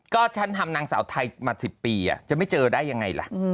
ก็ฉันทำนางสาวไทยมา๑๐ปีจะไม่เจอได้ยังไงล่ะ